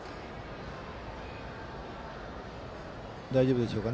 大丈夫でしょうか。